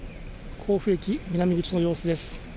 甲府駅南口の様子です。